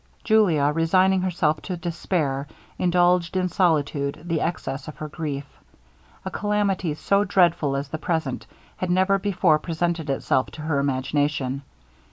Julia, resigning herself to despair, indulged in solitude the excess of her grief. A calamity, so dreadful as the present, had never before presented itself to her imagination.